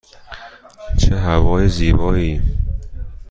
چه هوای زیبایی!